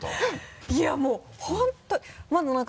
いやもう本当に。